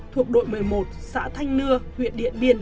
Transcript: thuộc đội một mươi một xã thanh nưa huyện điện biên